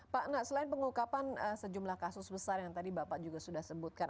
pak nah selain pengungkapan sejumlah kasus besar yang tadi bapak juga mengatakan